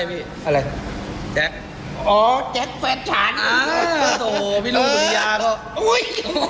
ไม่ใช่พี่อ๋อแจ๊คแฟนฉันโด้อูย